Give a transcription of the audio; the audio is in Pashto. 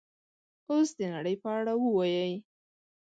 اوس د نړۍ په اړه ووایئ